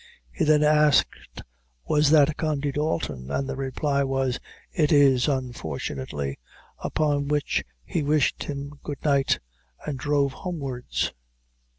He then asked was that Condy Dalton, and the reply was, "it is, unfortunately;" upon which he wished him good night, and drove homewards.